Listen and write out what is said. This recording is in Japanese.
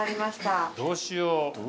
どうしよう。